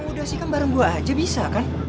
udah sih kan bareng gue aja bisa kan